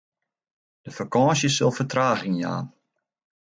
De fakânsje sil fertraging jaan.